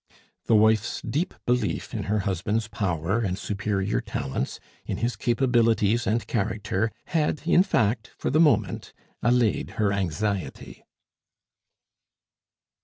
The wife's deep belief in her husband's power and superior talents, in his capabilities and character, had, in fact, for the moment allayed her anxiety.